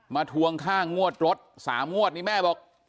มาทวงค่างวจรส๓ว่ะนี่แม่บอก